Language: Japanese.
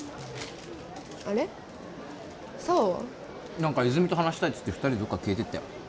何か泉と話したいって言って２人でどっか消えてったよ